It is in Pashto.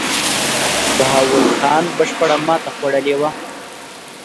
بهاول خان بشپړه ماته خوړلې وه.